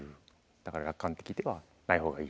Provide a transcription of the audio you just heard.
だから楽観的ではない方がいい。